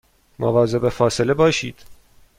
مواظب فاصله باشید